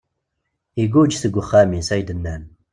Igguǧ seg uxxam-is, ay d-nnan.